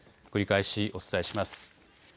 繰り返しお伝えします。